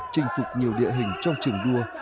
chinh phục nhiều địa hình trong trường đua